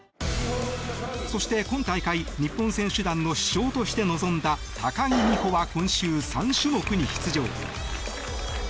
そして今大会日本選手団の主将として臨んだ高木美帆は今週、３種目に出場。